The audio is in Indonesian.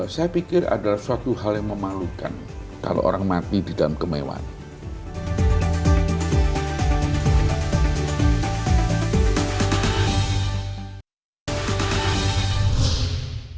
saya pikir adalah suatu hal yang memalukan kalau orang mati di dalam kemewahan